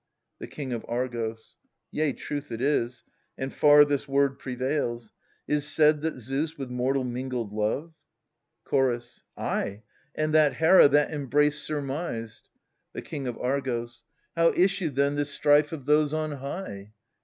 The King of Argos. Yea, truth it is, and far this word prevails : Is't said that Zeus with mortal mingled love ? THE SUPPLIANT MAIDENS. Chorus. ^'^'^ Ay, and that Hera that embrace surmised. The King of Argos. How issued then this strife of those on high